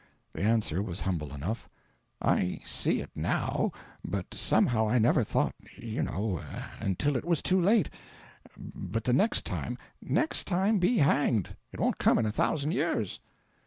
The answer was humble enough: "I see it now, but somehow I never thought, you know, until it was too late. But the next time " "Next time be hanged! It won't come in a thousand years."